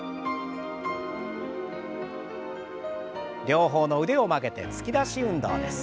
両方の腕を曲げて突き出し運動です。